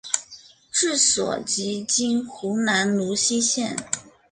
治所即今湖南泸溪县。